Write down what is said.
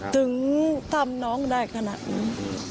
ถึงทำน้องได้ขนาดนั้น